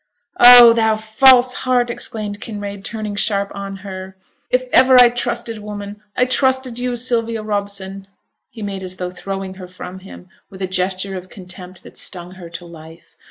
'Oh! thou false heart!' exclaimed Kinraid, turning sharp on her. 'If ever I trusted woman, I trusted you, Sylvia Robson.' He made as though throwing her from him, with a gesture of contempt that stung her to life.